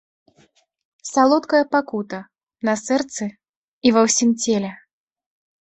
Салодкая пакута на сэрцы і ўва ўсім целе.